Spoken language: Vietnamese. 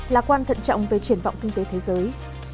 lạc quan thận trọng về triển vọng kinh tế thế giới